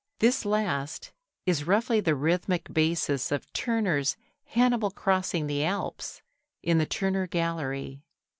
This last, is roughly the rhythmic basis of Turner's "Hannibal Crossing the Alps" in the Turner Gallery.